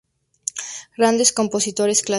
Grandes compositores, clásicos.